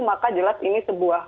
maka jelas ini sebuah